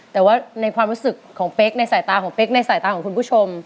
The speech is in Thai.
แต่ว่าในความรู้สึกของเป๊กในสายตาของเป๊กในสายตาของคุณผู้ชม